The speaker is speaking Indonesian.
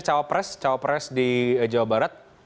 cawapres di jawa barat